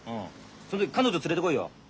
そん時彼女連れてこいよ。